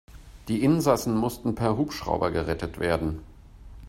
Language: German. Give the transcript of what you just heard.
Die Insassen mussten per Hubschrauber gerettet werden.